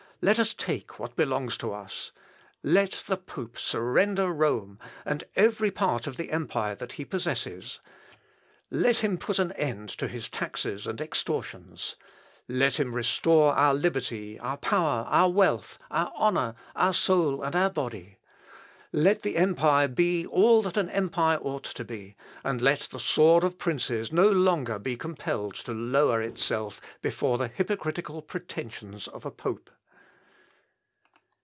let us take what belongs to us. Let the pope surrender Rome, and every part of the empire that he possesses. Let him put an end to his taxes and extortions. Let him restore our liberty, our power, our wealth, our honour, our soul, and our body. Let the empire be all that an empire ought to be; and let the sword of princes no longer be compelled to lower itself before the hypocritical pretensions of a pope."